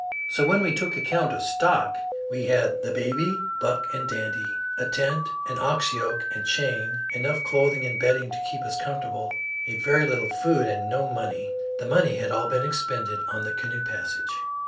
So when we took account of stock, we had the baby, Buck and Dandy, a tent, an ox yoke and chain, enough clothing and bedding to keep us comfortable, a very little food, and no money. The money had all been expended on the canoe passage.